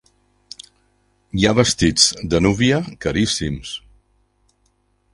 Hi ha vestits de núvia caríssims.